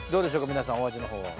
皆さんお味の方は。